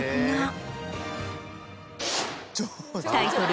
タイトル